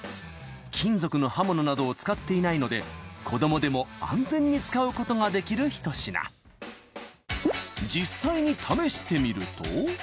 金属の刃物などを使っていないので子供でも安全に使うことができるひと品いきます。